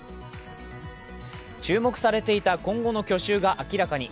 注目されていた今後の去就が明らかに。